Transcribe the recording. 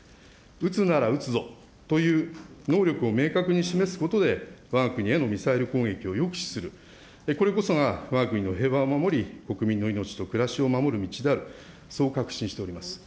撃つなら撃つぞという、能力を明確に示すことで、わが国へのミサイル攻撃を抑止する、これこそがわが国の平和を守り、国民の命と暮らしを守る道である、そう確信しております。